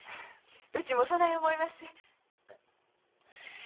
うちもそない思います。